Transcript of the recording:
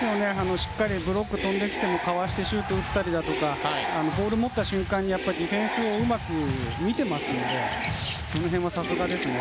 しっかりブロックが飛んできてもかわしてシュートを打ったりだとかボールを持った瞬間にディフェンスをうまく見ていますのでその辺はさすがですよね。